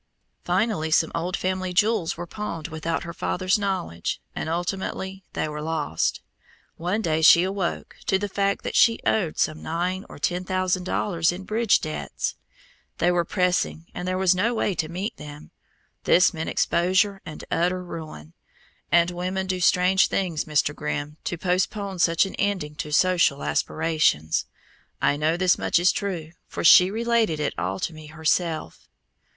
Finally some old family jewels were pawned without her father's knowledge, and ultimately they were lost. One day she awoke to the fact that she owed some nine or ten thousand dollars in bridge debts. They were pressing and there was no way to meet them. This meant exposure and utter ruin, and women do strange things, Mr. Grimm, to postpone such an ending to social aspirations. I know this much is true, for she related it all to me herself.